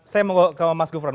saya mau ke mas gufron